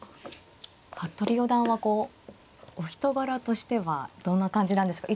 服部四段はこうお人柄としてはどんな感じなんですか。